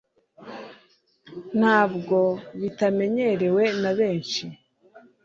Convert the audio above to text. Nubwo bitamenyerewe na benshi,